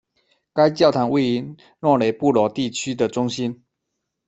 该教堂位于诺雷布罗地区的中心。